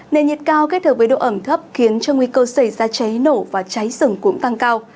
nền nhiệt cao kết hợp với độ ẩm thấp khiến cho nguy cơ xảy ra cháy nổ và cháy rừng cũng tăng cao